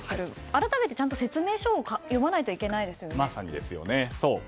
改めてちゃんと説明書を読まないといけないですよね。